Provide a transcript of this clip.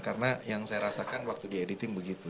karena yang saya rasakan waktu di editing begitu